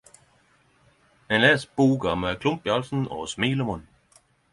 Ein les boka med klump i halsen og smil om munnen.